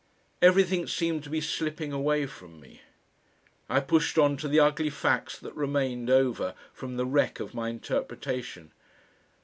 Everything seemed to be slipping away from me. I pushed on to the ugly facts that remained over from the wreck of my interpretation.